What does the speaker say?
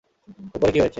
উপরে কী হয়েছে?